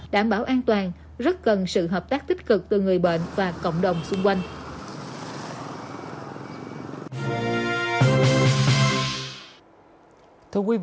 đảm bảo an toàn rất cần sự hợp tác tích cực từ người bệnh và cộng đồng xung quanh